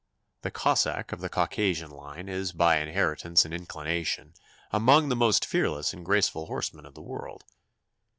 The Cossack of the Caucasian line is by inheritance and inclination among the most fearless and graceful horsemen of the world.